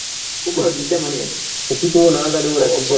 Uganda kubuni kifaa cha kudhibiti uchafuzi wa hewa.